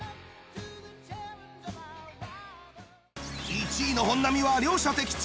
１位の本並は両者的中！